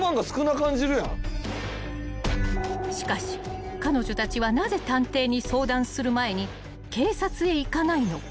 ［しかし彼女たちはなぜ探偵に相談する前に警察へ行かないのか］